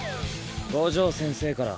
五条先生から。